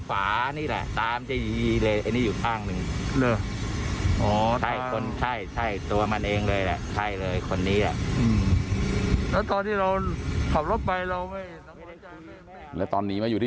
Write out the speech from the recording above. คนนี้อ่ะแล้วตอนที่เราขับรถไปเราไม่แล้วตอนนี้มาอยู่ที่